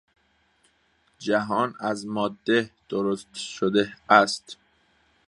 جهان از ماده درست شده است.